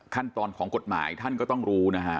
ขั้นตอนของกฎหมายท่านก็ต้องรู้นะฮะ